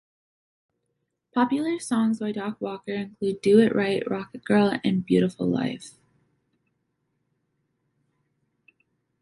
Popular songs by Doc Walker include Do It Right, Rocket Girl, and Beautiful Life.